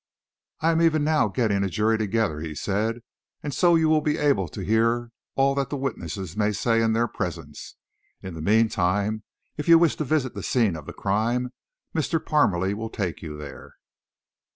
"I am even now getting a jury together," he said, "and so you will be able to hear all that the witnesses may say in their presence. In the meantime, if you wish to visit the scene of the crime, Mr. Parmalee will take you there."